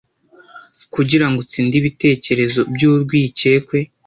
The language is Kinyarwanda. kugira ngo utsinde ibitekerezo by'urwikekwe